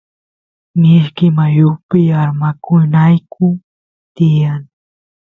mishki mayupi armakunayku tiyan